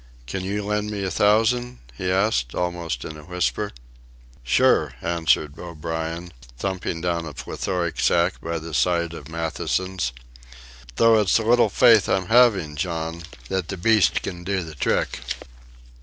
"Can you lend me a thousand?" he asked, almost in a whisper. "Sure," answered O'Brien, thumping down a plethoric sack by the side of Matthewson's. "Though it's little faith I'm having, John, that the beast can do the trick."